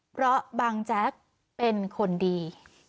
เพราะบางแจ๊กเป็นคนดี